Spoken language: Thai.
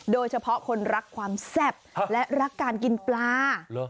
โดยเฉพาะคนรักความแซ่บและรักการกินปลา